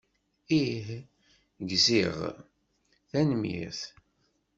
Ih, gziɣ. Tanemmirt.